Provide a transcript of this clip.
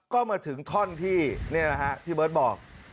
ก็มาถึงท่อนที่นี่นะฮะพี่เบิร์ตบอก